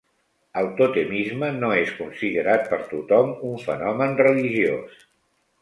El totemisme no és considerat per tothom un fenomen religiós.